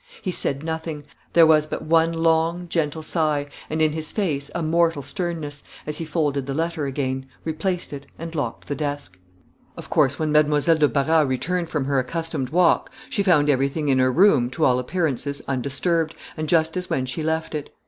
He said nothing; there was but one long, gentle sigh, and in his face a mortal sternness, as he folded the letter again, replaced it, and locked the desk. Of course, when Mademoiselle de Barras returned from her accustomed walk, she found everything in her room, to all appearances, undisturbed, and just as when she left it.